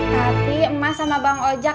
tapi emak sama bang ojak